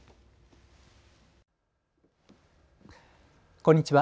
こんにちは。